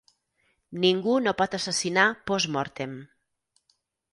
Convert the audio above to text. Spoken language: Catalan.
Ningú no pot assassinar post-mortem.